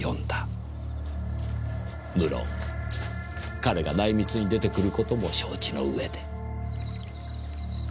無論彼が内密に出てくることも承知の上で。